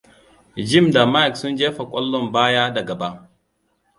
Jim da Mike sun jefa kwallon baya da gaba.